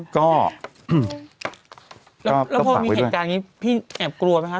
ก็พอมีเหตุการณ์นี้พี่แอบกลัวไหมคะ